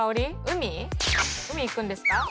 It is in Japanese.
海行くんですか？